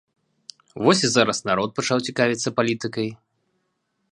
Вось і зараз народ пачаў цікавіцца палітыкай.